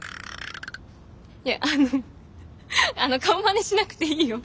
いやあの顔まねしなくていいよ。